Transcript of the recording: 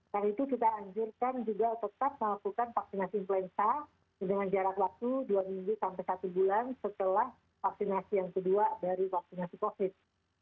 karena itu kita anjurkan juga tetap melakukan vaksinasi influenza dengan jarak waktu dua minggu sampai satu bulan setelah vaksinasi yang kedua dari vaksinasi covid